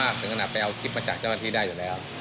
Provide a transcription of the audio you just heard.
ถึงขนาดไปเอาคลิปมาจากเจ้าหน้าที่ได้อยู่แล้ว